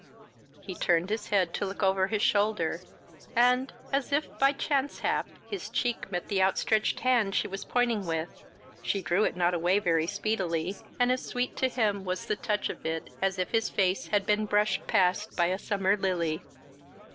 He turned his head to look over his shoulder, and, as if by chance hap, his cheek met the outstretched hand she was pointing with: she drew it not away very speedily, and as sweet to him was the touch of it as if his face had been brushed past by a summer lily.